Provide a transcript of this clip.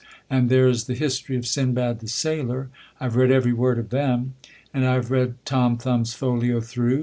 And there is the history of Sindbad the Sailor. I have read every word of them. And I have read Tom Thumb's folio through.